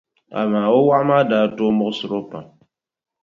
Amaa o wɔɣu maa daa tooi muɣisiri o pam.